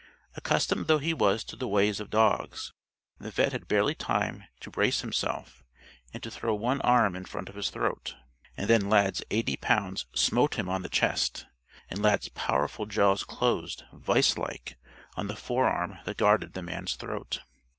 Accustomed though he was to the ways of dogs, the vet' had barely time to brace himself and to throw one arm in front of his throat. And then Lad's eighty pounds smote him on the chest, and Lad's powerful jaws closed viselike on the forearm that guarded the man's throat.